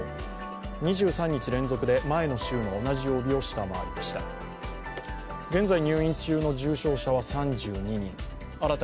２３日連続で前の週の同じ曜日を下回りました。